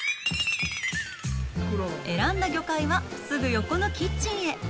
選んだ魚介はすぐ横のキッチンへ。